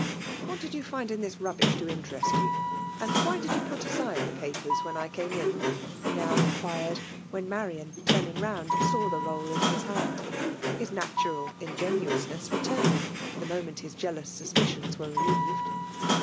'' What did you find in this rubbish to interest you; and why did you put aside the papers when I came in?" he now inquired; when Marian, turning round, saw tho roll in his hand ; his natural ingenuousness returning^ the moment his jealous suspicions were relicvod.